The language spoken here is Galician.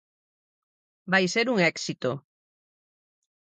Vai ser un éxito.